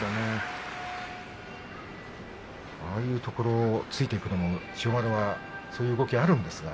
ああいうところを突いていくのも千代丸はそういう動きもあるんですが。